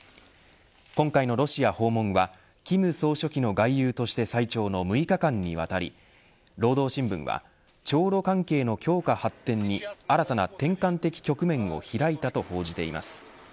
今回のロシア訪問は金総書記の外遊として最長の６日間にわたり、労働新聞は朝露関係の強化、発展に新たな転換的局面を開いたと報じています。